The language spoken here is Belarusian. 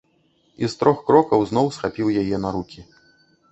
І з трох крокаў зноў схапіў яе на рукі.